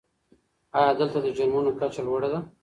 آیا دلته د جرمونو کچه لوړه ده؟